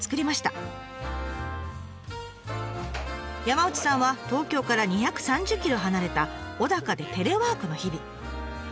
山内さんは東京から２３０ｋｍ離れた小高でテレワークの日々。